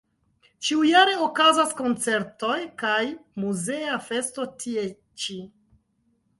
Ĉiujare okazas koncertoj kaj muzea festo tie ĉi.